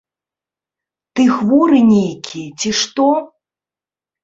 Ты хворы нейкі, ці што?